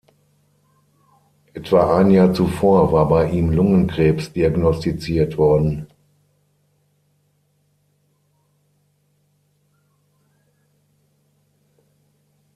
Etwa ein Jahr zuvor war bei ihm Lungenkrebs diagnostiziert worden.